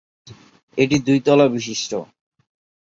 এটি দুই তলা বিশিষ্ট্য।